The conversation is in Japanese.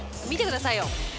見てくださいよ。